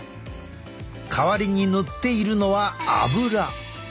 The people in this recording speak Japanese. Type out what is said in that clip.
代わりに塗っているのはアブラ。